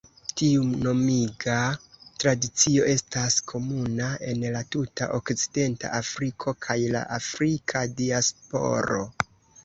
Tiu nomiga tradicio estas komuna en la tuta Okcidenta Afriko kaj la Afrika diasporo.